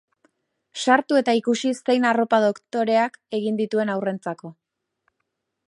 Sartu eta ikusi zein arropa dotoreak egin dituen haurrentzako!